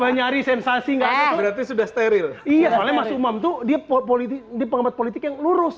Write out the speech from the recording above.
nyari sensasi nggak sudah steril iya soalnya masuk mam tuh dia politik dipanggil politik yang lurus